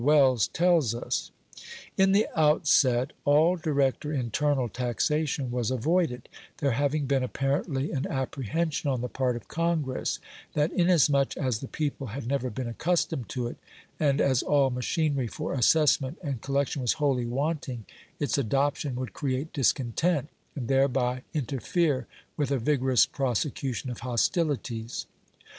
Wells tells us: "In the outset all direct or internal taxation was avoided, there having been apparently an apprehension on the part of Congress, that inasmuch as the people had never been accustomed to it, and as all machinery for assessment and collection was wholly wanting, its adoption would create discontent, and thereby interfere with a vigorous prosecution of hostilities.